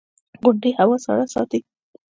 • غونډۍ هوا سړه ساتي.